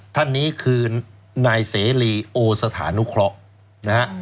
ท่านนี้คือนายเสรีโอสถานุเคราะห์นะฮะ